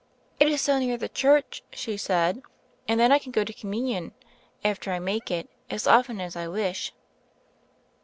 "It is so near the church," she said, "and then I can go to Communion, after I make it, as often as I wish."